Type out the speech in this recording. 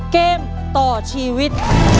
เกมต่อชีวิต